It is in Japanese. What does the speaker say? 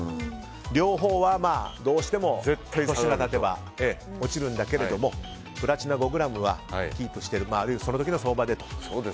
両方はどうしても年が経てば落ちるんだけれどもプラチナ５ｇはキープしているあるいはその時の相場でと。